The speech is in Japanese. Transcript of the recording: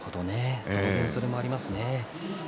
当然それもありますね。